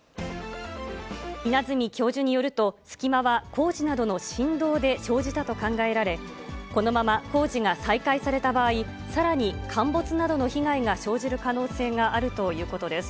稲積教授によると、隙間は工事などの振動で生じたと考えられ、このまま工事が再開された場合、さらに陥没などの被害が生じる可能性があるということです。